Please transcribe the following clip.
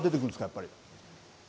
やっぱり。